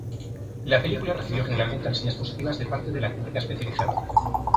La película recibió generalmente reseñas positivas de parte de la crítica especializada.